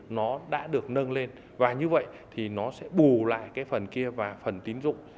nó đã được nâng lên và như vậy thì nó sẽ bù lại cái phần kia và phần tín dụng